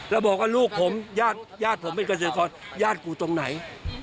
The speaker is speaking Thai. เราบอกรถรุ่นผมยากผมได้กระเศรษฐกรยากครูตรงไหน